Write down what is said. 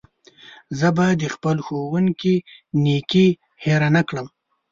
زه به د خپل ښوونکي نېکي هېره نه کړم.